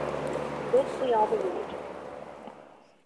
This we all believed.